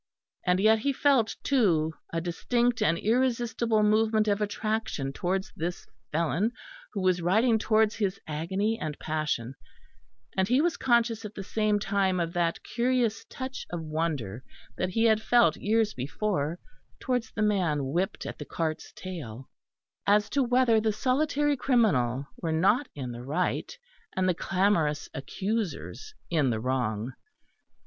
And yet he felt, too, a distinct and irresistible movement of attraction towards this felon who was riding towards his agony and passion; and he was conscious at the same time of that curious touch of wonder that he had felt years before towards the man whipped at the cart's tail, as to whether the solitary criminal were not in the right, and the clamorous accusers in the wrong.